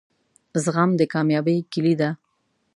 زغم دکامیابۍ کیلي ده